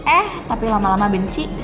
eh tapi lama lama benci